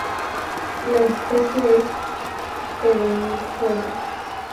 La especie es perennifolia.